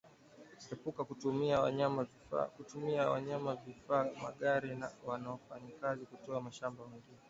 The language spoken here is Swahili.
Epuka kutumia wanyama vifaa magari na wafanyakazi kutoka mashamba mengine